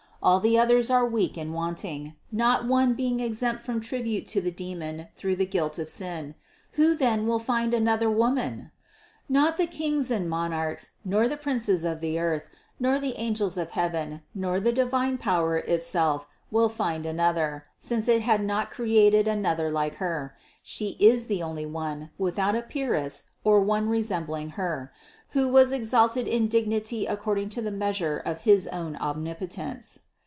All the others are weak and wanting, not one being exempt from tribute to the demon through the guilt of sin. Who then will find another woman? Not the kings and monarchs, nor the princes of the earth, nor the angels of heaven, nor the divine power itself will find another, since it had not created 587 588 CITY OF GOD another like Her : She is the only one, without a peeress or one resembling Her, who was exalted in dignity ac cording to the measure of his own Omnipotence.